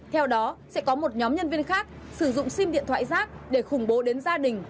theo đó sẽ có một nhóm nhân viên khác sử dụng sim điện thoại rác để khủng bố đến gia đình